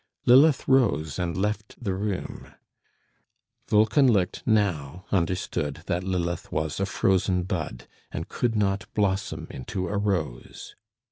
Lilith rose and left the room. Wolkenlicht now understood that Lilith was a frozen bud, and could not blossom into a rose.